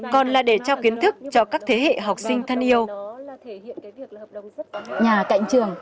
còn là để trao kiến thức cho các thế hệ học sinh thân yêu